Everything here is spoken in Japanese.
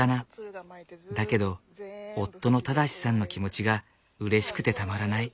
だけど夫の正さんの気持ちがうれしくてたまらない。